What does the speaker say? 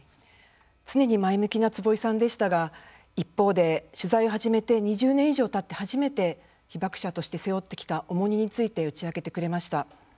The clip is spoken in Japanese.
常に前向きな坪井さんでしたが一方で、取材を始めて２０年以上たって初めて被爆者として背負ってきた重荷について打ち明けてくれました。